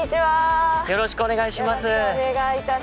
よろしくお願いします。